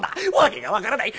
訳が分からない。